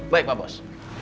baik pak bos